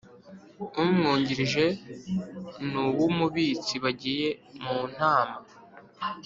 Umwungirije N Uw Umubitsi bagiye muntama